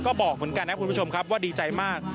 ก็บอกเหมือนกันนะคุณผู้ชมครับว่าดีใจมาก